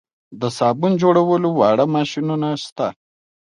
د صابون جوړولو واړه ماشینونه شته